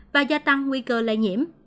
và gia tăng nguy cơ lây nhiễm